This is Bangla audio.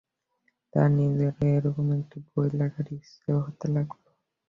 তাঁর নিজেরও এরকম একটি বই লেখার ইচ্ছা হতে লাগল।